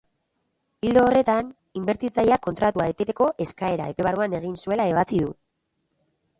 Ildo horretan, inbertitzaileak kontratua eteteko eskaera epe barruan egin zuela ebatzi du.